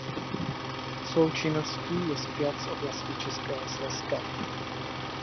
Svou činností je spjat s oblastí českého Slezska.